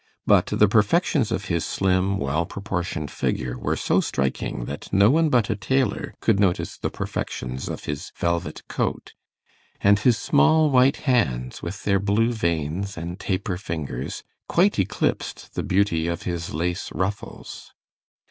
But the perfections of his slim well proportioned figure were so striking that no one but a tailor could notice the perfections of his velvet coat; and his small white hands, with their blue veins and taper fingers, quite eclipsed the beauty of his lace ruffles.